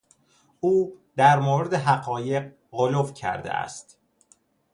او در مورد حقایق غلو کرده است.